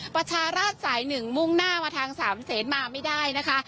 ประชาราชสาย๑มุ่งหน้ามาทางสามเศษมาไม่ได้นะคะ